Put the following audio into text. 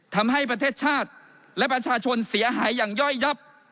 ทำให้ประเทศชาติและประชาชนเสียหายอย่างย่อยยับ